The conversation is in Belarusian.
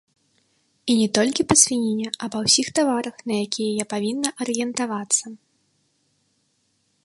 І не толькі па свініне, а па ўсіх таварах, на якія я павінна арыентавацца.